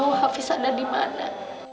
ibu gak tahu hafiz ada di mana